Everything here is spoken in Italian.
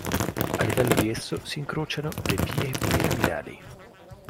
A livello di esso si incrociano le vie piramidali.